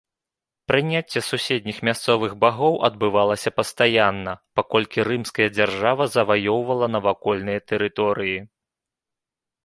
Прыняцце суседніх мясцовых багоў адбывалася пастаянна, паколькі рымская дзяржава заваёўвала навакольныя тэрыторыі.